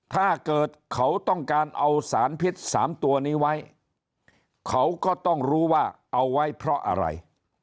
ถ้าเกิดเขาต้องการเอาสารพิษ๓ตัวนี้ไว้เขาก็ต้องรู้ว่าเอาไว้เพราะอะไร